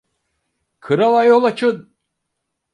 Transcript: Krala yol açın.